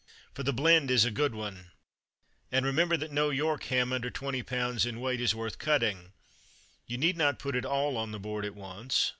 For the blend is a good one. And remember that no York ham under 20 lb. in weight is worth cutting. You need not put it all on the board at once.